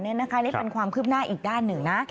นี่เป็นความคืบหน้าอีกด้านหนึ่งนะ